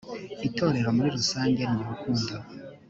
itorero muri rusange nurukundo